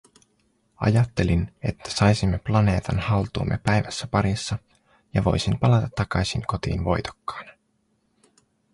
Ajattelin, että saisimme planeetan haltuumme päivässä parissa ja voisin palata takaisin kotiin voitokkaana.